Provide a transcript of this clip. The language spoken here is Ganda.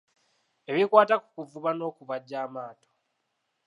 Ebikwata ku kuvuba n’okubajja amaato.